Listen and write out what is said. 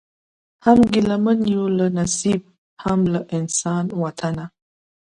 هم ګیله من یو له نصیب هم له انسان وطنه